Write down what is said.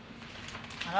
あら？